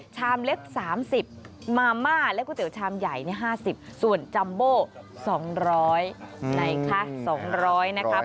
ชามเล็ก๓๐มาม่าและก๋วเตี๋ยชามใหญ่๕๐ส่วนจัมโบ๒๐๐ไหนคะ๒๐๐นะครับ